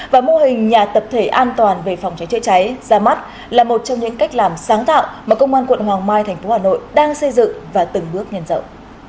và mô hình nhà tập thể an toàn về phòng cháy chữa cháy ra mắt là một trong những cách làm sáng tạo mà công an quận hoàng mai tp hà nội đang xây dựng và từng bước nhận rộng